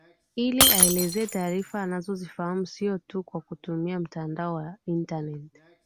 ili aelezee taarifa anazo zifahamu sio tu kwa kutumia mtandao wa internet